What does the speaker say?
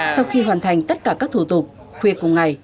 sau khi hoàn thành tất cả các thủ tục khuya cùng ngày